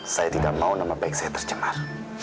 saya tidak mau nama baik saya tercemar